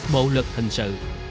bộ luật hình sự